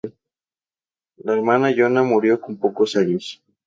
Su hermana Ilona murió con pocos años.